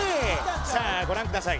さあご覧ください